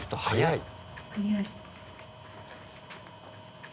早い。